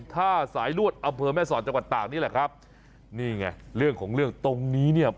ท่าสายลวดอำเภอแม่สอดจังหวัดตากนี่แหละครับนี่ไงเรื่องของเรื่องตรงนี้เนี่ย